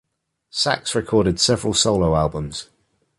Sachs recorded several solo albums.